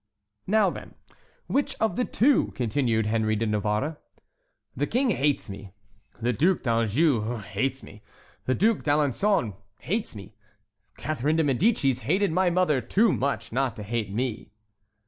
"Now, then, which of the two?" continued Henri de Navarre. "The king hates me; the Duc d'Anjou hates me; the Duc d'Alençon hates me; Catherine de Médicis hated my mother too much not to hate me."